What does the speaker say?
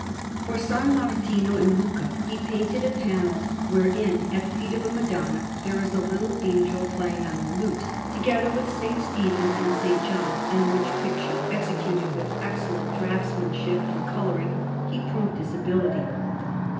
For S. Martino in Lucca he painted a panel wherein, at the feet of a Madonna, there is a little angel playing on a lute, together with S. Stephen and S. John; in which picture, executed with excellent draughtsmanship and colouring, he proved his ability.